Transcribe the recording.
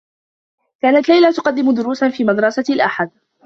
كانت ليلى تقدّم دروسا في مدرسة الأحد.